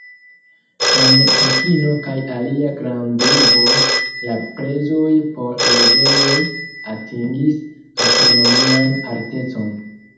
En Pekino kaj aliaj grandurboj la prezoj por loĝejoj atingis astronomian altecon.